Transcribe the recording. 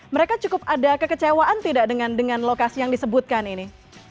mereka cukup ada kekecewaan tidak dengan lokasi yang disebutkan ini